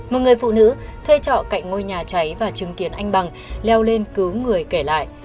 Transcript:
một người phụ nữ thuê trọ cạnh ngôi nhà cháy và chứng kiến anh bằng leo lên cứu người kể lại